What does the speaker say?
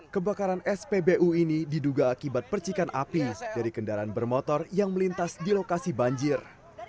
kebakaran spbu ini diduga akibat percikan api dari kendaraan bermotor yang melintas di lokasi banjir